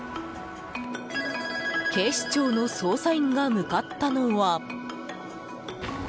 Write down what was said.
警視庁の捜査員が向かったのは。